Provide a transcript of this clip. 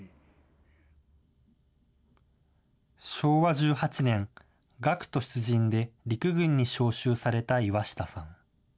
昭和１８年、学徒出陣で陸軍に召集された岩下さん。